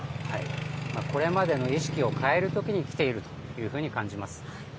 これまでの意識を変えるときに来ているというふうに感じます。